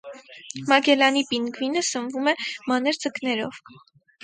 Մագելանի պինգվինը սնվում է մանր ձկներով։